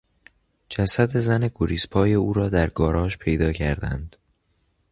جسد زن گریز پای او را در گاراژ پیدا کردند.